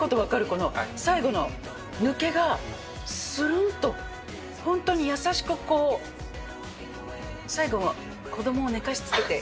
この最後の抜けが、するんと本当に優しくこう、最後、子どもを寝かしつけて、